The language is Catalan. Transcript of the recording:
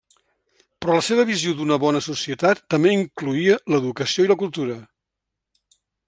Però la seva visió d'una bona societat també incloïa l'educació i la cultura.